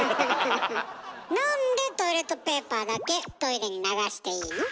なんでトイレットペーパーだけトイレに流していいの？